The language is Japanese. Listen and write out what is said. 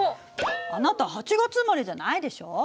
あなた８月生まれじゃないでしょ。